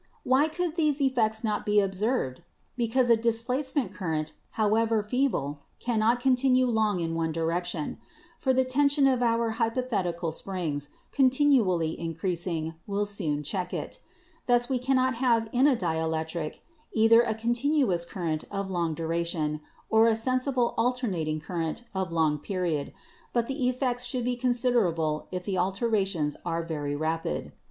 "Why could these effects not be observed? Because a displacement current, however feeble, cannot continue long in one direction ; for the tension of our hypothetical springs, continually increasing, will soon check it Thus we cannot have in a dielectric either a continuous current of long duration or a sensible alternating current of long period; but the effects should be observable if the alterna tions are very rapid.